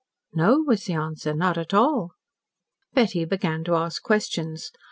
"No," was the answer, "not at all." Betty began to ask questions.